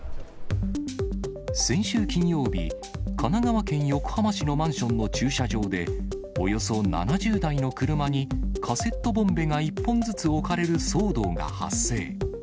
先週金曜日、神奈川県横浜市のマンションの駐車場で、およそ７０台の車にカセットボンベが１本ずつ置かれる騒動が発生。